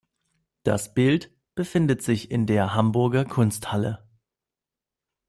Das Bild befindet sich in der Hamburger Kunsthalle.